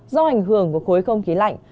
do ảnh hưởng của khối không khí lạnh